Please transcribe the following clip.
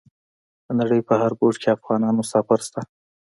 د نړۍ په هر ګوټ کې افغانان مسافر شته.